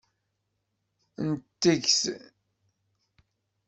Nteg-t.